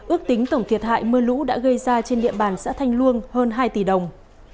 ước tính tổng thiệt hại mưa lũ đã gây ra trên địa bàn xã thanh luông hơn hai tỷ đồng